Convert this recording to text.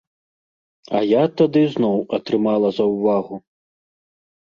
А я тады зноў атрымала заўвагу.